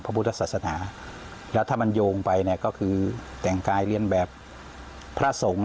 พุทธศาสนาแล้วถ้ามันโยงไปเนี่ยก็คือแต่งกายเรียนแบบพระสงฆ์